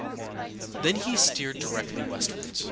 Then he steered directly westward.